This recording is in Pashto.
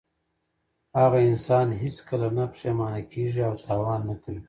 هغه انسان هېڅکله نه پښېمانه کیږي او تاوان نه کوي.